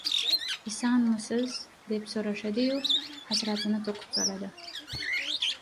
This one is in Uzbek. — Isanmisiz? — deb so‘rashadi-yu, hasratini to‘kib soladi.